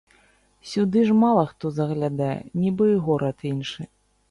Сюды ж мала хто заглядае, нібы і горад іншы.